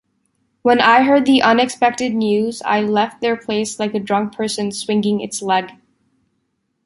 When I heard the unexpected news I left their place like a drunk person swinging its leg.